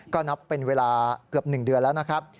ก็นับเป็นเวลาเกือบ๑เดือนแล้วนะครับ